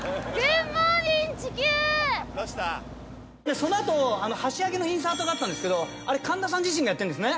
その後箸上げのインサートがあったんですけど神田さん自身がやってんですね。